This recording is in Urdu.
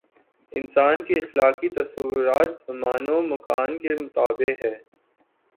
انسان کے اخلاقی تصورات زمان و مکان کے تابع ہیں۔